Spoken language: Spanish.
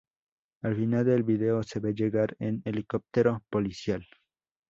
Al final del video se ve llegar un helicóptero policial.